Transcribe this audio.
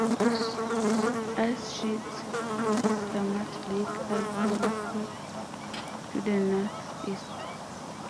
Ice sheets dammed Lake Algonquin to the northeast.